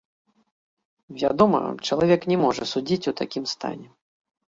Вядома, чалавек не можа судзіць у такім стане.